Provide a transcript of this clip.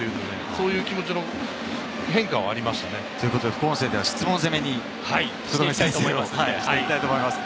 そういう気持ちの変化はありましたね。ということで、副音声では質問攻めにしていきたいと思います。